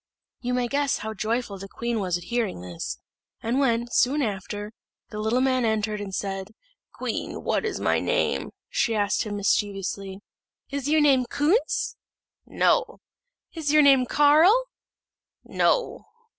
You may guess how joyful the queen was at hearing this; and when, soon after, the little man entered and said, "Queen, what is my name?" she asked him mischievously, "Is your name Kunz?" "No." "Is your name Carl?" "No."